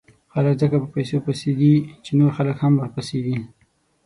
خلک ځکه په پیسو پسې دي، چې نور خلک هم ورپسې دي.